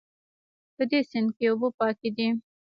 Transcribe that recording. په دې سیند کې اوبه پاکې دي